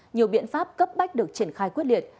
nhiều biện pháp cấp bách được triển khai quyết liệt